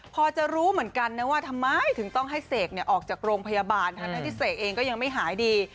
ก็รู้เหมือนกันนะว่าทำไมถึงต้องให้เศกเนี่ยออกจากโรงพยาบาลนะที่เศกเองก็ยังไม่หายดี